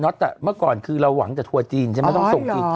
เนาะแต่เมื่อก่อนคือเราหวังแต่ถั่วจีนใช่ไหมต้องส่งจีน